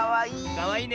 かわいいね。